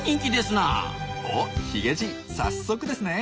おヒゲじい早速ですね。